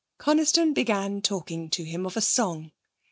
Coniston began talking to him of a song.